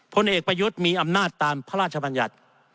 ผลเอกประยุทธ์มีอำนาจตามพระราชบัญญัติ